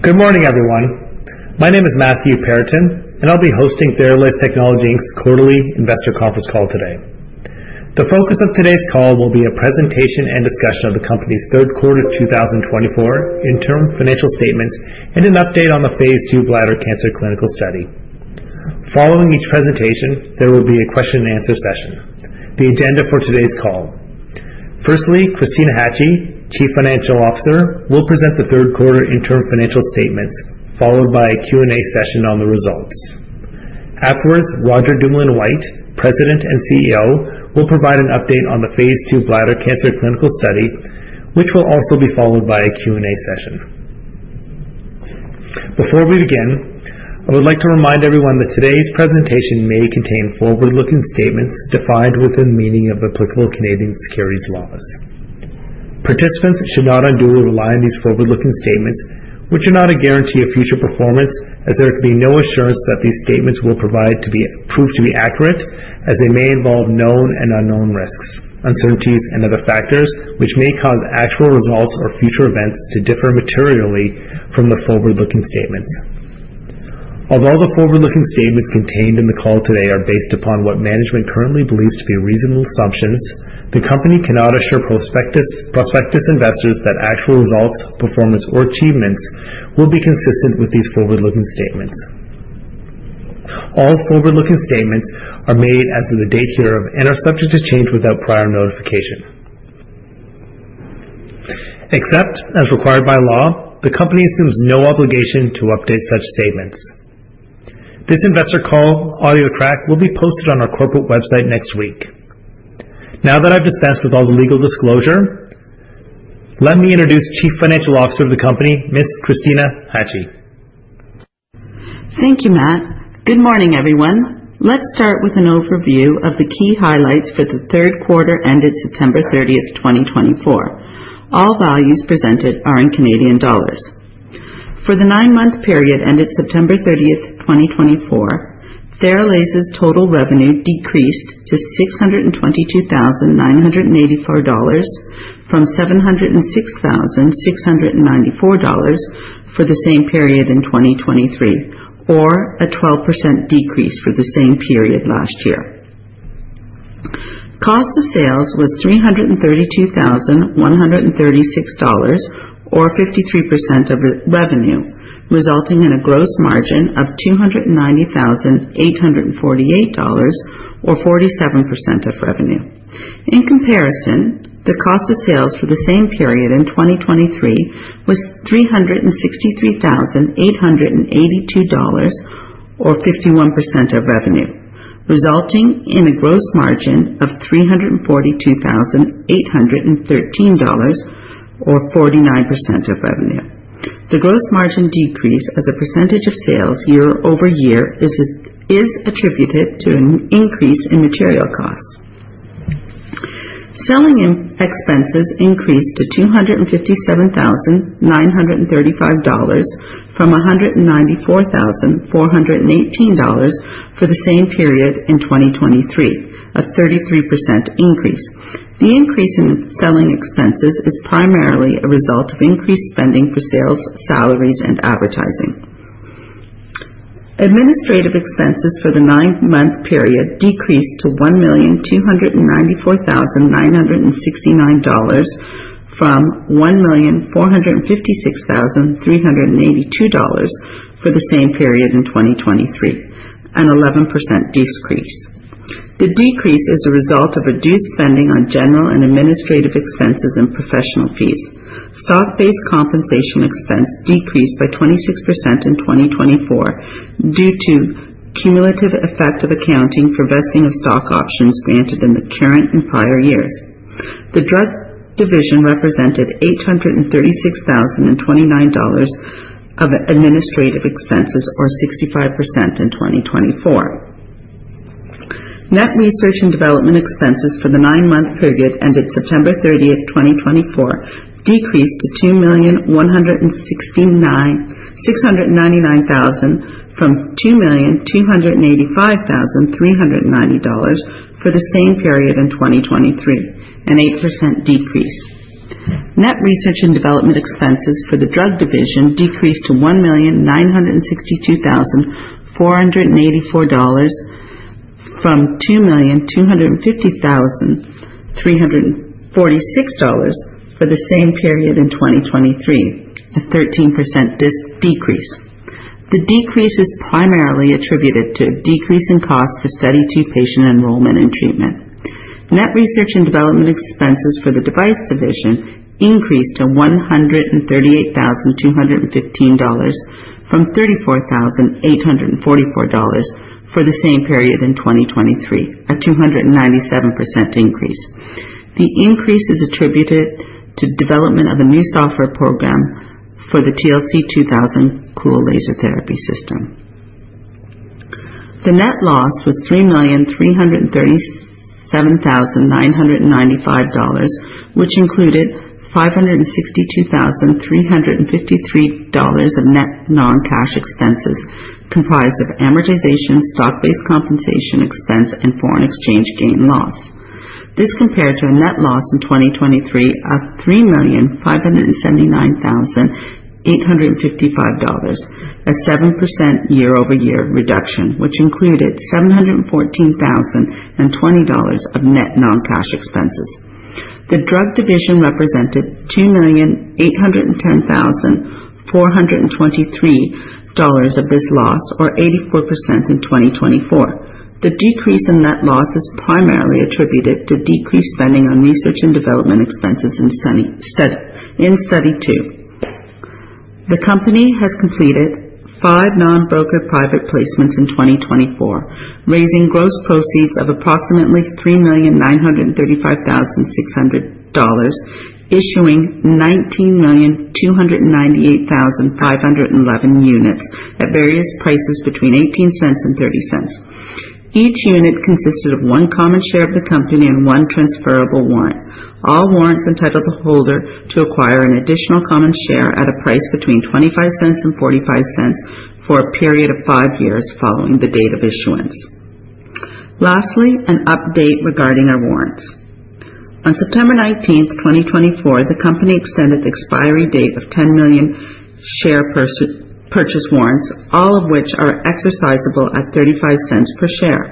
Good morning, everyone. My name is Matthew Perraton, and I'll be hosting Theralase Technologies Inc's quarterly investor conference call today. The focus of today's call will be a presentation and discussion of the company's third quarter 2024 interim financial statements and an update on the phase II bladder cancer clinical study. Following each presentation, there will be a question-and-answer session. The agenda for today's call. Firstly, Kristina Hachey, Chief Financial Officer, will present the third quarter interim financial statements, followed by a Q&A session on the results. Afterwards, Roger Dumoulin-White, President and CEO, will provide an update on the phase II bladder cancer clinical study, which will also be followed by a Q&A session. Before we begin, I would like to remind everyone that today's presentation may contain forward-looking statements defined within the meaning of applicable Canadian securities laws. Participants should not unduly rely on these forward-looking statements, which are not a guarantee of future performance, as there can be no assurance that these statements will prove to be accurate, as they may involve known and unknown risks, uncertainties, and other factors which may cause actual results or future events to differ materially from the forward-looking statements. Although the forward-looking statements contained in the call today are based upon what management currently believes to be reasonable assumptions, the company cannot assure prospective investors that actual results, performance, or achievements will be consistent with these forward-looking statements. All forward-looking statements are made as of the date hereof and are subject to change without prior notification. Except as required by law, the company assumes no obligation to update such statements. This investor call audio track will be posted on our corporate website next week. Now that I've dispensed with all the legal disclosure, let me introduce Chief Financial Officer of the company, Ms. Kristina Hachey. Thank you, Matt. Good morning, everyone. Let's start with an overview of the third quarter ended September 30th, 2024. All values presented are in Canadian dollars. For the nine-month period ended September 30th, 2024, Theralase's total revenue decreased to 622,984 dollars from 706,694 dollars for the same period in 2023, or a 12% decrease for the same period last year. Cost of sales was 332,136 dollars, or 53% of revenue, resulting in a gross margin of 290,848 dollars, or 47% of revenue. In comparison, the cost of sales for the same period in 2023 was CAD 363,882, or 51% of revenue, resulting in a gross margin of CAD 342,813, or 49% of revenue. The gross margin decrease as a percentage of sales year-over-year is attributed to an increase in material costs. Selling expenses increased to CAD 257,935 from 194,418 dollars for the same period in 2023, a 33% increase. The increase in selling expenses is primarily a result of increased spending for sales, salaries, and advertising. Administrative expenses for the nine-month period decreased to CAD 1,294,969 from 1,456,382 dollars for the same period in 2023, an 11% decrease. The decrease is a result of reduced spending on general and administrative expenses and professional fees. Stock-based compensation expense decreased by 26% in 2024 due to cumulative effect of accounting for vesting of stock options granted in the current and prior years. The drug division represented 836,029 dollars of administrative expenses, or 65% in 2024. Net research and development expenses for the nine-month period ended September 30th, 2024, decreased to 2,100,699 from 2,285,390 dollars for the same period in 2023, an 8% decrease. Net research and development expenses for the drug division decreased to 1,962,484 dollars from 2,250,346 dollars for the same period in 2023, a 13% decrease. The decrease is primarily attributed to a decrease in cost for Study II patient enrollment and treatment. Net research and development expenses for the device division increased to 138,215 dollars from 34,844 dollars for the same period in 2023, a 297% increase. The increase is attributed to development of a new software program for the TLC-2000 Cool Laser Therapy System. The net loss was 3,337,995 dollars, which included 562,353 dollars of net non-cash expenses, comprised of amortization, stock-based compensation expense, and foreign exchange gain loss. This compared to a net loss in 2023 of 3,579,855 dollars, a 7% year-over-year reduction, which included 714,020 dollars of net non-cash expenses. The drug division represented CAD 2,810,423 of this loss, or 84% in 2024. The decrease in net loss is primarily attributed to decreased spending on research and development expenses in Study II. The company has completed five non-brokered private placements in 2024, raising gross proceeds of approximately CAD 3,935,600, issuing 19,298,511 units at various prices between 0.18 and 0.30. Each unit consisted of one common share of the company and one transferable warrant. All warrants entitle the holder to acquire an additional common share at a price between 0.25 and 0.45 for a period of five years following the date of issuance. Lastly, an update regarding our warrants. On September 19th, 2024, the company extended the expiry date of 10 million share purchase warrants, all of which are exercisable at 0.35 per share.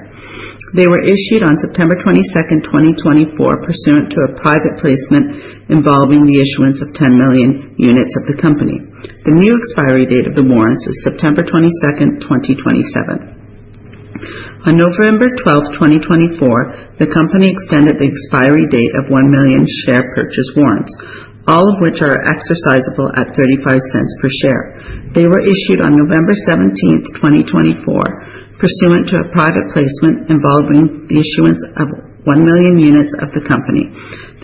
They were issued on September 22nd, 2024, pursuant to a private placement involving the issuance of 10 million units of the company. The new expiry date of the warrants is September 22nd, 2027. On November 12th, 2024, the company extended the expiry date of one million share purchase warrants, all of which are exercisable at 0.35 per share. They were issued on November 17th, 2024, pursuant to a private placement involving the issuance of one million units of the company.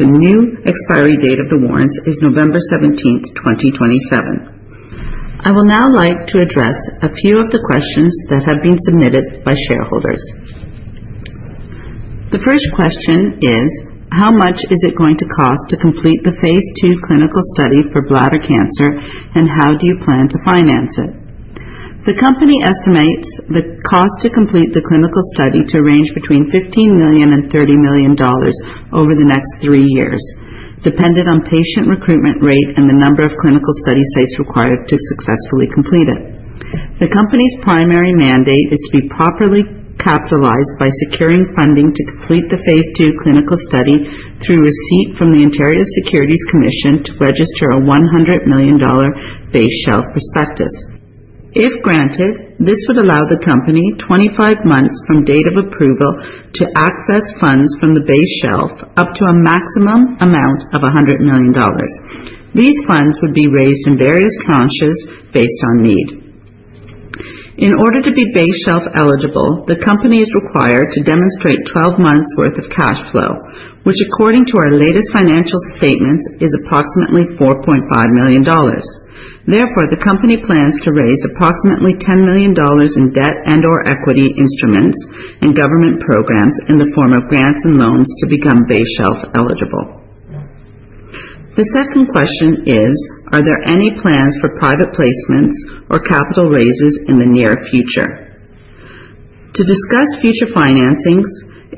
The new expiry date of the warrants is November 17th, 2027. I will now like to address a few of the questions that have been submitted by shareholders. The first question is, "How much is it going to cost to complete the phase II clinical study for bladder cancer, and how do you plan to finance it?" The company estimates the cost to complete the clinical study to range between 15 million and 30 million dollars over the next three years, dependent on patient recruitment rate and the number of clinical study sites required to successfully complete it. The company's primary mandate is to be properly capitalized by securing funding to complete the phase II clinical study through receipt from the Ontario Securities Commission to register a 100 million dollar base shelf prospectus. If granted, this would allow the company 25 months from date of approval to access funds from the base shelf up to a maximum amount of 100 million dollars. These funds would be raised in various tranches based on need. In order to be base shelf eligible, the company is required to demonstrate 12 months' worth of cash flow, which according to our latest financial statements, is approximately 4.5 million dollars. The company plans to raise approximately 10 million dollars in debt and/or equity instruments and government programs in the form of grants and loans to become base shelf eligible. The second question is, "Are there any plans for private placements or capital raises in the near future?" To discuss future financings,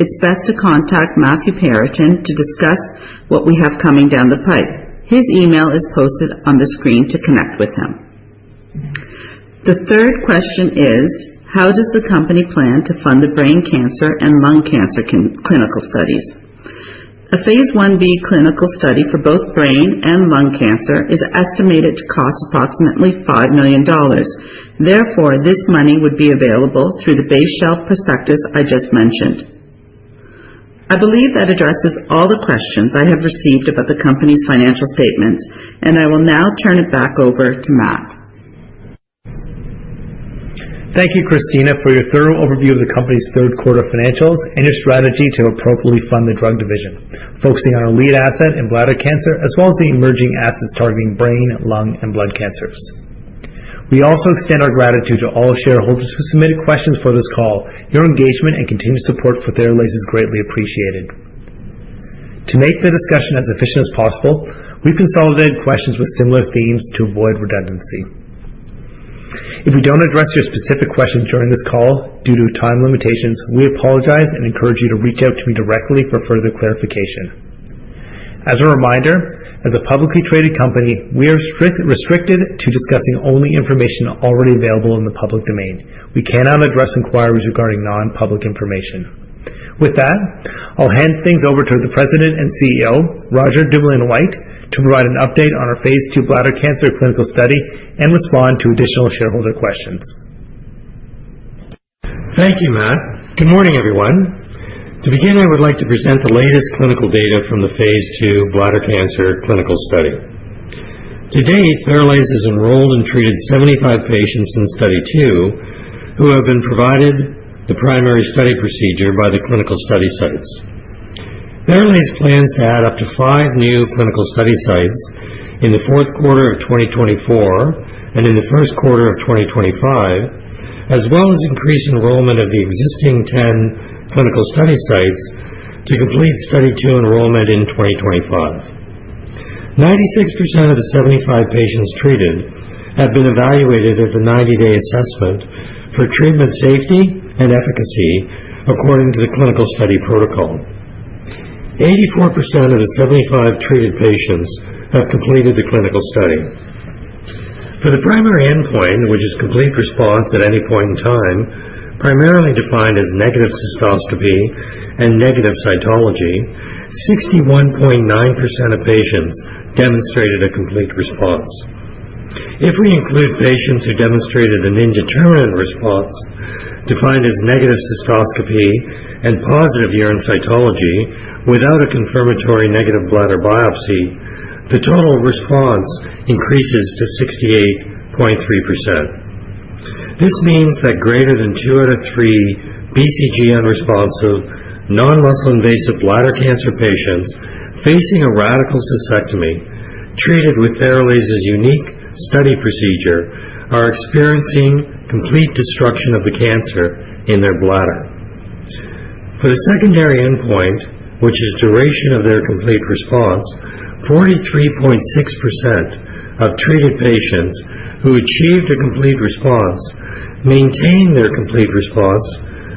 it's best to contact Matthew Perraton to discuss what we have coming down the pipe. His email is posted on the screen to connect with him. The third question is, "How does the company plan to fund the brain cancer and lung cancer clinical studies?" A phase I-B clinical study for both brain and lung cancer is estimated to cost approximately 5 million dollars. Therefore, this money would be available through the base shelf prospectus I just mentioned. I believe that addresses all the questions I have received about the company's financial statements, and I will now turn it back over to Matt. Thank you Kristina, for your thorough overview of the company's third quarter financials and your strategy to appropriately fund the drug division, focusing on our lead asset in bladder cancer as well as the emerging assets targeting brain, lung, and blood cancers. We also extend our gratitude to all shareholders who submitted questions for this call. Your engagement and continued support for Theralase is greatly appreciated. To make the discussion as efficient as possible, we've consolidated questions with similar themes to avoid redundancy. If we don't address your specific question during this call due to time limitations, we apologize and encourage you to reach out to me directly for further clarification. As a reminder, as a publicly traded company, we are restricted to discussing only information already available in the public domain. We cannot address inquiries regarding non-public information. With that, I'll hand things over to the President and CEO, Roger Dumoulin-White, to provide an update on our phase II bladder cancer clinical study and respond to additional shareholder questions. Thank you, Matt. Good morning, everyone. To begin, I would like to present the latest clinical data from the phase II bladder cancer clinical study. To date, Theralase has enrolled and treated 75 patients in Study II who have been provided the primary study procedure by the clinical study sites. Theralase plans to add up to five new clinical study sites in the fourth quarter of 2024 and in the first quarter of 2025, as well as increase enrollment of the existing 10 clinical study sites to complete Study II enrollment in 2025. 96% of the 75 patients treated have been evaluated at the 90-day assessment for treatment safety and efficacy according to the clinical study protocol. 84% of the 75 treated patients have completed the clinical study. For the primary endpoint, which is complete response at any point in time, primarily defined as negative cystoscopy and negative cytology, 61.9% of patients demonstrated a complete response. If we include patients who demonstrated an indeterminate response, defined as negative cystoscopy and positive urine cytology without a confirmatory negative bladder biopsy, the total response increases to 68.3%. This means that greater than two out of three BCG-unresponsive non-muscle invasive bladder cancer patients facing a radical cystectomy treated with Theralase's unique study procedure are experiencing complete destruction of the cancer in their bladder. For the secondary endpoint, which is duration of their complete response, 43.6% of treated patients who achieved a complete response maintained their complete response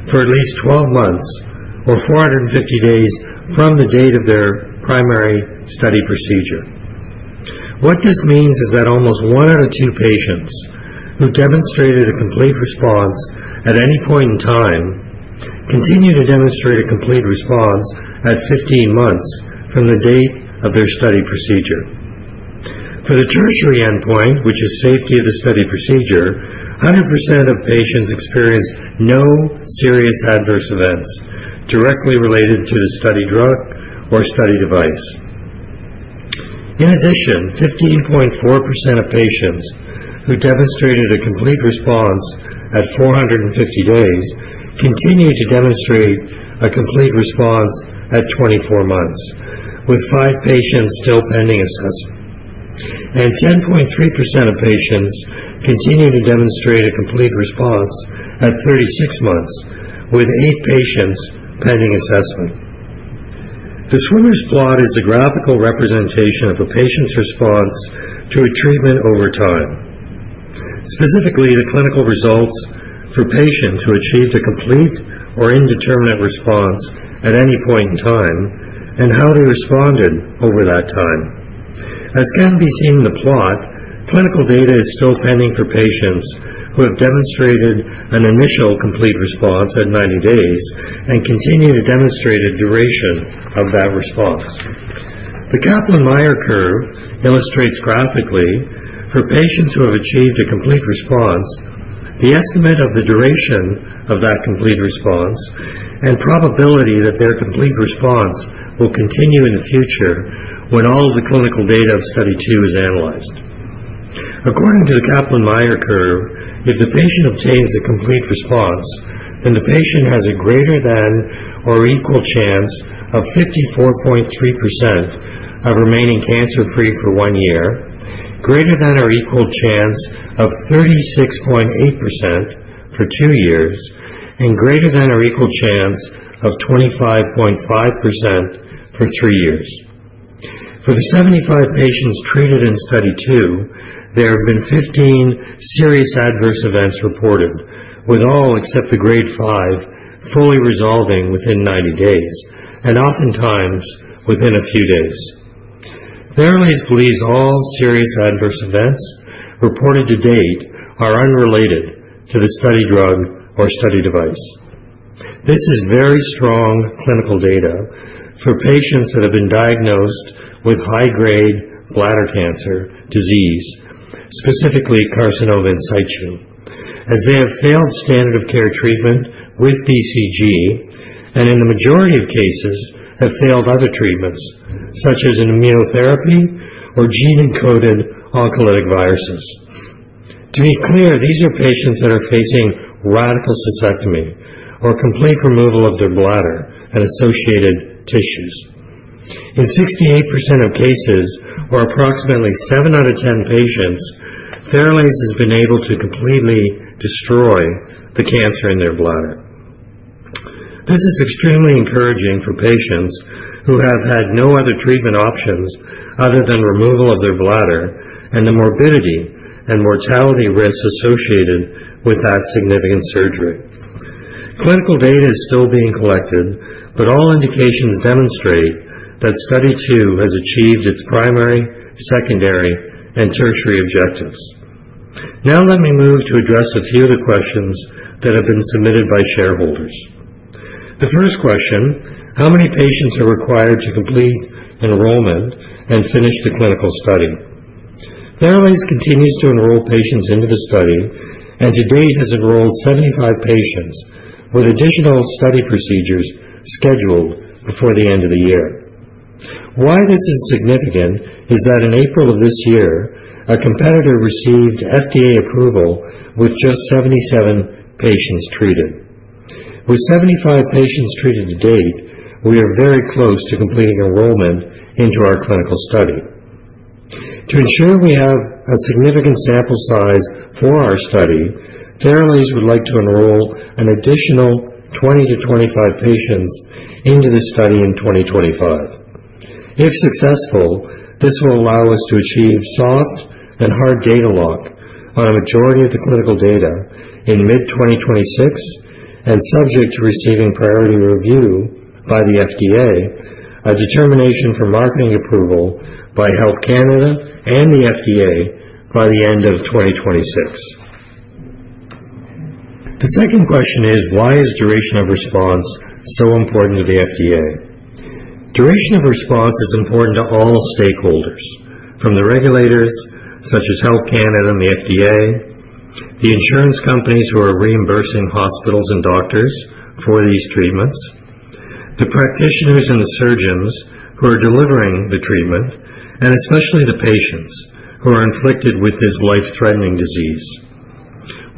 for at least 12 months or 450 days from the date of their primary study procedure. What this means is that almost one out of two patients who demonstrated a complete response at any point in time continue to demonstrate a complete response at 15 months from the date of their study procedure. For the tertiary endpoint, which is safety of the study procedure, 100% of patients experienced no serious adverse events directly related to the study drug or study device. In addition, 15.4% of patients who demonstrated a complete response at 450 days continued to demonstrate a complete response at 24 months, with five patients still pending assessment. 10.3% of patients continued to demonstrate a complete response at 36 months, with eight patients pending assessment. The swimmer's plot is a graphical representation of a patient's response to a treatment over time. Specifically, the clinical results for patients who achieved a complete or indeterminate response at any point in time and how they responded over that time. As can be seen in the plot, clinical data is still pending for patients who have demonstrated an initial complete response at 90 days and continue to demonstrate a duration of that response. The Kaplan-Meier curve illustrates graphically for patients who have achieved a complete response, the estimate of the duration of that complete response, and probability that their complete response will continue in the future when all of the clinical data of Study II is analyzed. According to the Kaplan-Meier curve, if the patient obtains a complete response, then the patient has a greater than or equal chance of 54.3% of remaining cancer-free for one year, greater than or equal chance of 36.8% for two years, and greater than or equal chance of 25.5% for three years. For the 75 patients treated in Study II, there have been 15 serious adverse events reported, with all except the grade five fully resolving within 90 days, and oftentimes within a few days. Theralase believes all serious adverse events reported to date are unrelated to the study drug or study device. This is very strong clinical data for patients that have been diagnosed with high-grade bladder cancer disease, specifically carcinoma in situ, as they have failed standard of care treatment with BCG and in the majority of cases have failed other treatments, such as an immunotherapy or gene-encoded oncolytic viruses. To be clear, these are patients that are facing radical cystectomy or complete removal of their bladder and associated tissues. In 68% of cases, or approximately seven out of 10 patients, Theralase has been able to completely destroy the cancer in their bladder. This is extremely encouraging for patients who have had no other treatment options other than removal of their bladder and the morbidity and mortality risks associated with that significant surgery. Clinical data is still being collected, but all indications demonstrate that Study II has achieved its primary, secondary, and tertiary objectives. Now let me move to address a few of the questions that have been submitted by shareholders. The first question, how many patients are required to complete enrollment and finish the clinical study? Theralase continues to enroll patients into the study and to date has enrolled 75 patients with additional study procedures scheduled before the end of the year. Why this is significant is that in April of this year, a competitor received FDA approval with just 77 patients treated. With 75 patients treated to date, we are very close to completing enrollment into our clinical study. To ensure we have a significant sample size for our study, Theralase would like to enroll an additional 20-25 patients into the study in 2025. If successful, this will allow us to achieve soft and hard data lock on a majority of the clinical data in mid-2026 and subject to receiving priority review by the FDA, a determination for marketing approval by Health Canada and the FDA by the end of 2026. The second question is, why is duration of response so important to the FDA? Duration of response is important to all stakeholders, from the regulators such as Health Canada and the FDA, the insurance companies who are reimbursing hospitals and doctors for these treatments, the practitioners and the surgeons who are delivering the treatment, and especially the patients who are inflicted with this life-threatening disease.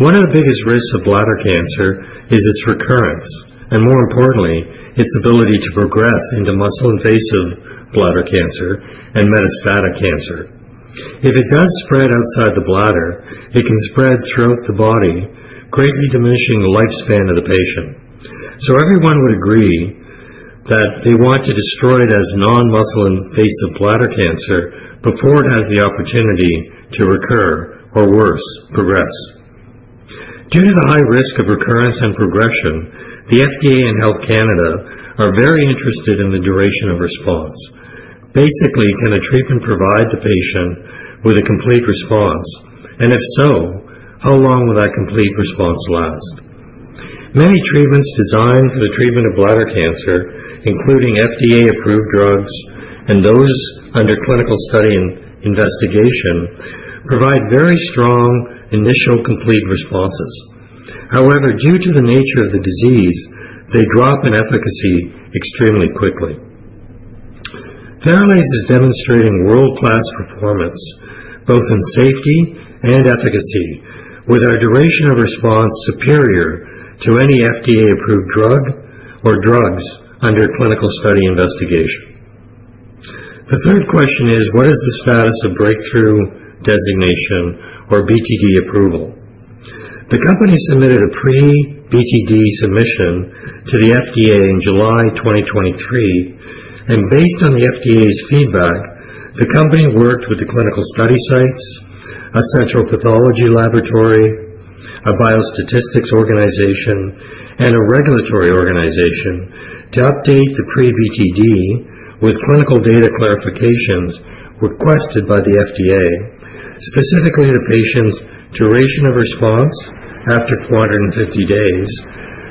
One of the biggest risks of bladder cancer is its recurrence, and more importantly, its ability to progress into muscle-invasive bladder cancer and metastatic cancer. If it does spread outside the bladder, it can spread throughout the body, greatly diminishing the lifespan of the patient. Everyone would agree that they want to destroy it as non-muscle invasive bladder cancer before it has the opportunity to recur, or worse, progress. Due to the high risk of recurrence and progression, the FDA and Health Canada are very interested in the duration of response. Basically, can a treatment provide the patient with a complete response, and if so, how long will that complete response last? Many treatments designed for the treatment of bladder cancer, including FDA-approved drugs and those under clinical study and investigation, provide very strong initial complete responses. However, due to the nature of the disease, they drop in efficacy extremely quickly. Theralase is demonstrating world-class performance, both in safety and efficacy, with our duration of response superior to any FDA-approved drug or drugs under clinical study investigation. The third question is, what is the status of Breakthrough Designation or BTD approval? The company submitted a pre-BTD submission to the FDA in July 2023, and based on the FDA's feedback, the company worked with the clinical study sites, a central pathology laboratory, a biostatistics organization, and a regulatory organization to update the pre-BTD with clinical data clarifications requested by the FDA, specifically the patient's duration of response after 450 days,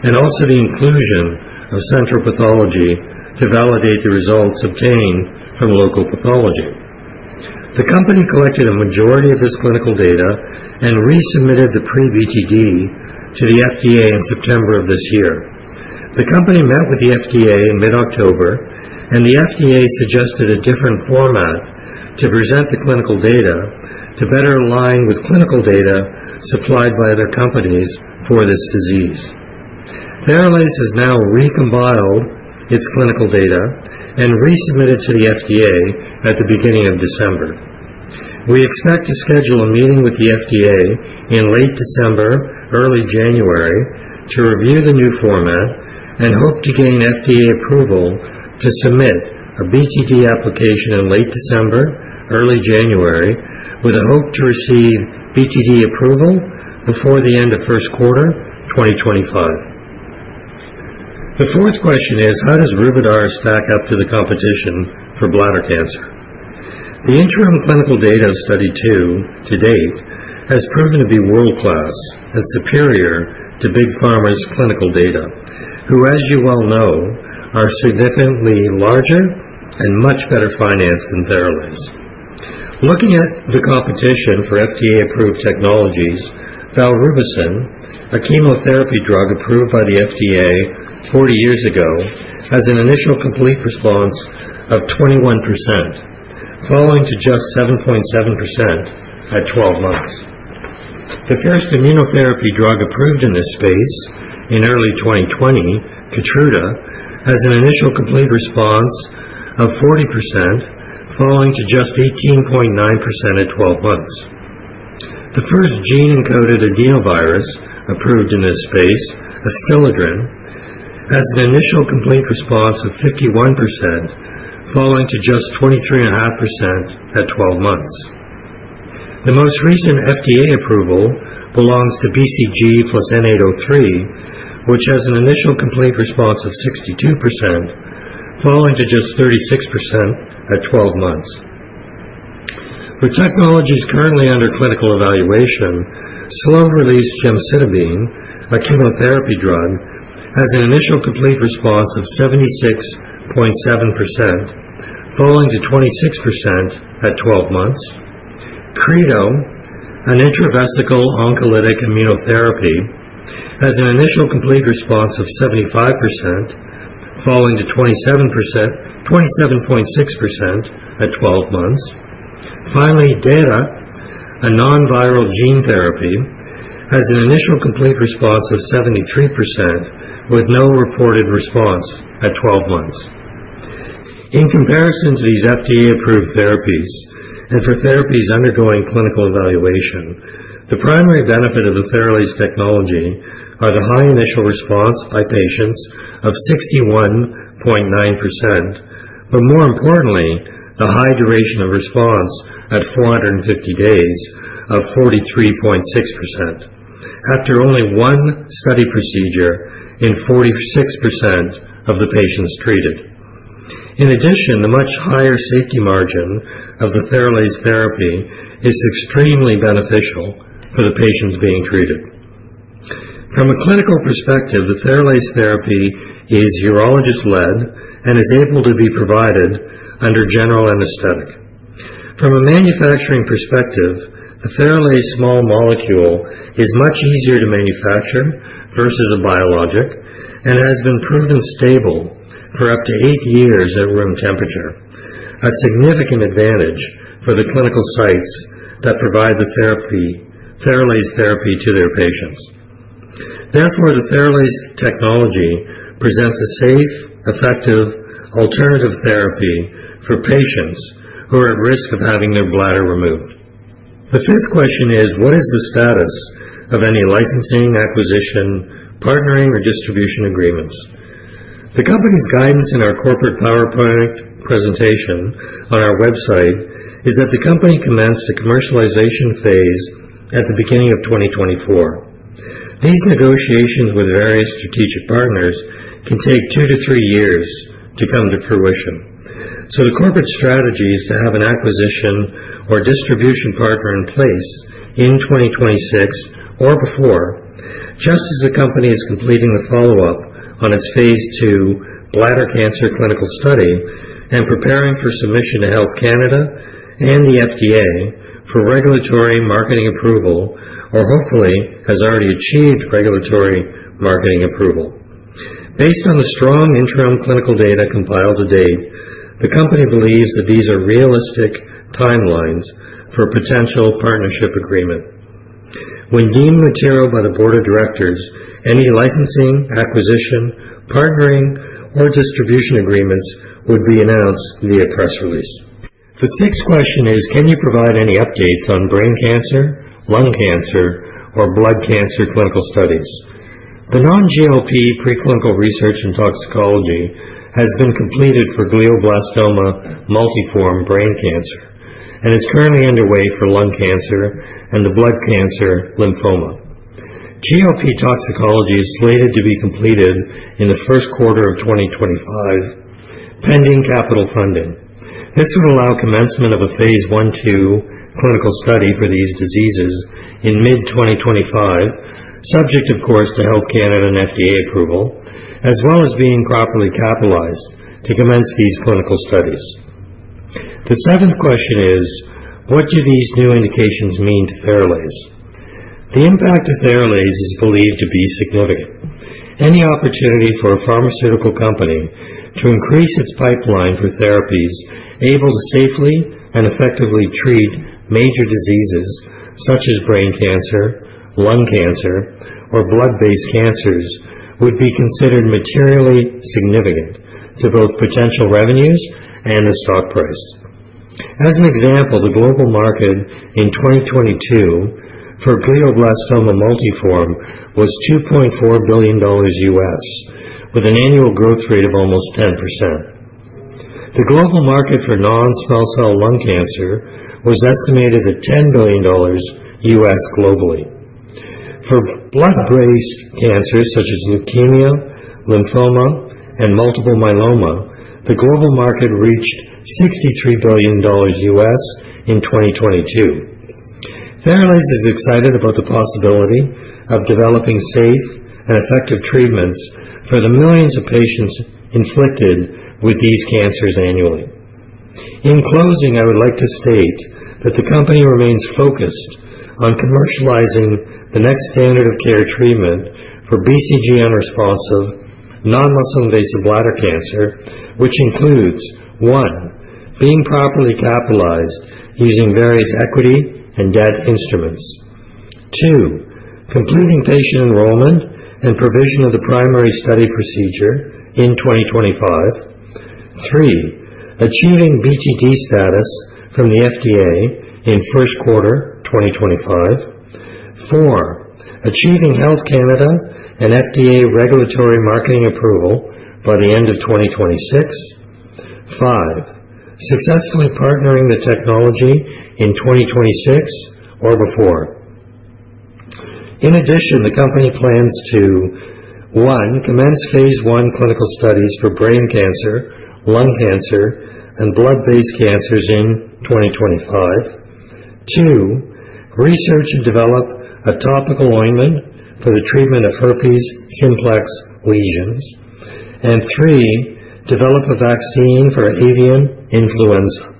and also the inclusion of central pathology to validate the results obtained from local pathology. The company collected a majority of this clinical data and resubmitted the pre-BTD to the FDA in September of this year. The company met with the FDA in mid-October, and the FDA suggested a different format to present the clinical data to better align with clinical data supplied by other companies for this disease. Theralase has now recompiled its clinical data and resubmitted to the FDA at the beginning of December. We expect to schedule a meeting with the FDA in late December, early January to review the new format and hope to gain FDA approval to submit a BTD application in late December, early January, with a hope to receive BTD approval before the end of first quarter 2025. The fourth question is, how does Ruvidar stack up to the competition for bladder cancer? The interim clinical data Study II to date has proven to be world-class and superior to big pharma's clinical data, who, as you well know, are significantly larger and much better financed than Theralase. Looking at the competition for FDA-approved technologies, valrubicin, a chemotherapy drug approved by the FDA 40 years ago, has an initial complete response of 21%, falling to just 7.7% at 12 months. The first immunotherapy drug approved in this space in early 2020, Keytruda, has an initial complete response of 40%, falling to just 18.9% at 12 months. The first gene-encoded adenovirus approved in this space, Adstiladrin, has an initial complete response of 51%, falling to just 23.5% at 12 months. The most recent FDA approval belongs to BCG plus N-803, which has an initial complete response of 62%, falling to just 36% at 12 months. For technologies currently under clinical evaluation, slow-release gemcitabine, a chemotherapy drug, has an initial complete response of 76.7%, falling to 26% at 12 months. Cretostimogene grenadenorepvec, an intravesical oncolytic immunotherapy, has an initial complete response of 75%, falling to 27.6% at 12 months. Finally, detalimogene voraplasmid a non-viral gene therapy has an initial complete response of 73% with no reported response at 12 months. In comparison to these FDA-approved therapies, and for therapies undergoing clinical evaluation, the primary benefit of the Theralase technology are the high initial response by patients of 61.9%, but more importantly, the high duration of response at 450 days of 43.6% after only one study procedure in 46% of the patients treated. In addition, the much higher safety margin of the Theralase therapy is extremely beneficial for the patients being treated. From a clinical perspective, the Theralase therapy is urologist-led and is able to be provided under general anesthetic. From a manufacturing perspective, the Theralase small molecule is much easier to manufacture versus a biologic and has been proven stable for up to eight years at room temperature, a significant advantage for the clinical sites that provide the therapy, Theralase therapy to their patients. Therefore, the Theralase technology presents a safe, effective alternative therapy for patients who are at risk of having their bladder removed. The fifth question is, what is the status of any licensing, acquisition, partnering, or distribution agreements? The company's guidance in our corporate PowerPoint presentation on our website is that the company commenced the commercialization phase at the beginning of 2024. These negotiations with various strategic partners can take two-three years to come to fruition. The corporate strategy is to have an acquisition or distribution partner in place in 2026 or before, just as the company is completing the follow-up on its phase II bladder cancer clinical study and preparing for submission to Health Canada and the FDA for regulatory marketing approval or hopefully has already achieved regulatory marketing approval. Based on the strong interim clinical data compiled to date, the company believes that these are realistic timelines for a potential partnership agreement. When deemed material by the board of directors, any licensing, acquisition, partnering, or distribution agreements would be announced via press release. The sixth question is, can you provide any updates on brain cancer, lung cancer, or blood cancer clinical studies? The non-GLP preclinical research in toxicology has been completed for glioblastoma multiforme brain cancer and is currently underway for lung cancer and the blood cancer lymphoma. GLP toxicology is slated to be completed in the first quarter of 2025, pending capital funding. This would allow commencement of a phase I/II clinical study for these diseases in mid-2025, subject of course to Health Canada and FDA approval, as well as being properly capitalized to commence these clinical studies. The seventh question is, what do these new indications mean to Theralase? The impact of Theralase is believed to be significant. Any opportunity for a pharmaceutical company to increase its pipeline for therapies able to safely and effectively treat major diseases such as brain cancer, lung cancer, or blood-based cancers would be considered materially significant to both potential revenues and the stock price. As an example, the global market in 2022 for glioblastoma multiforme was $2.4 billion, with an annual growth rate of almost 10%. The global market for non-small cell lung cancer was estimated at $10 billion globally. For blood-based cancers such as leukemia, lymphoma, and multiple myeloma, the global market reached $63 billion in 2022. Theralase is excited about the possibility of developing safe and effective treatments for the millions of patients inflicted with these cancers annually. In closing, I would like to state that the company remains focused on commercializing the next standard of care treatment for BCG-unresponsive non-muscle invasive bladder cancer, which includes, one, being properly capitalized using various equity and debt instruments. Two, completing patient enrollment and provision of the primary study procedure in 2025. Three, achieving BTD status from the FDA in first quarter 2025. Four, achieving Health Canada and FDA regulatory marketing approval by the end of 2026. Five, successfully partnering the technology in 2026 or before. In addition, the company plans to, one, commence phase I clinical studies for brain cancer, lung cancer, and blood-based cancers in 2025. Two, research and develop a topical ointment for the treatment of herpes simplex lesions. Three, develop a vaccine for avian influenza.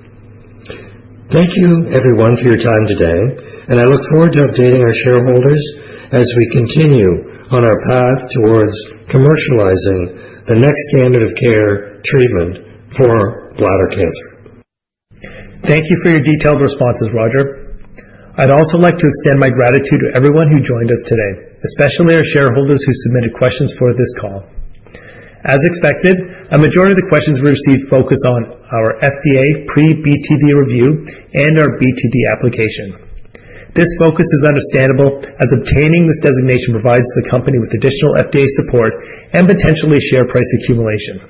Thank you everyone for your time today, and I look forward to updating our shareholders as we continue on our path towards commercializing the next standard of care treatment for bladder cancer. Thank you for your detailed responses, Roger. I'd also like to extend my gratitude to everyone who joined us today, especially our shareholders who submitted questions for this call. As expected, a majority of the questions we received focus on our FDA pre-BTD review and our BTD application. This focus is understandable as obtaining this designation provides the company with additional FDA support and potentially share price accumulation.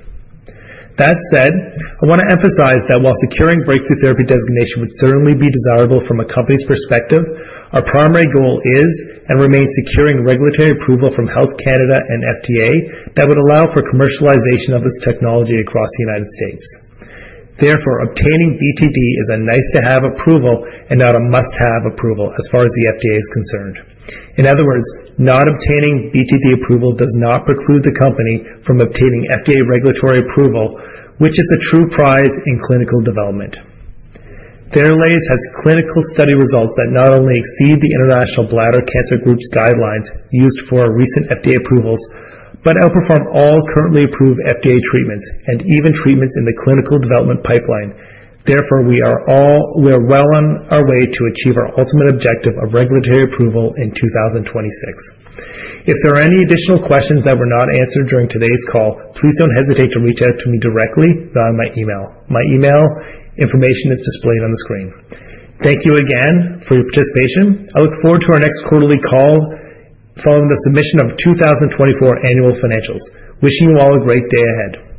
That said, I wanna emphasize that while securing Breakthrough Therapy Designation would certainly be desirable from a company's perspective, our primary goal is and remains securing regulatory approval from Health Canada and FDA that would allow for commercialization of this technology across the United States. Therefore, obtaining BTD is a nice-to-have approval and not a must-have approval as far as the FDA is concerned. In other words, not obtaining BTD approval does not preclude the company from obtaining FDA regulatory approval, which is the true prize in clinical development. Theralase has clinical study results that not only exceed the International Bladder Cancer Group's guidelines used for recent FDA approvals but outperform all currently approved FDA treatments and even treatments in the clinical development pipeline. Therefore, we are well on our way to achieve our ultimate objective of regulatory approval in 2026. If there are any additional questions that were not answered during today's call, please don't hesitate to reach out to me directly via my email. My email information is displayed on the screen. Thank you again for your participation. I look forward to our next quarterly call following the submission of 2024 annual financials. Wishing you all a great day ahead.